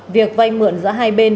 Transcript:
việc vay mượn giữa hai bên